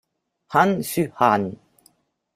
Han Su-an